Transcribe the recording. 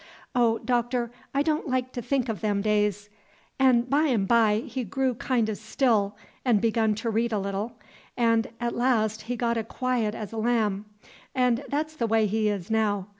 Oh, Doctor, I don' like to think o' them days! An' by 'n' by he grew kin' o' still, 'n' begun to read a little, 'n' 't las' he got 's quiet's a lamb, 'n' that's the way he is now.